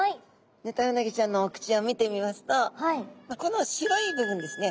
ヌタウナギちゃんのお口を見てみますとこの白いぶぶんですね。